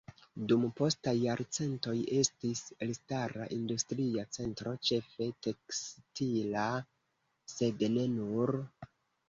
Dum postaj jarcentoj estis elstara industria centro ĉefe tekstila, sed ne nur.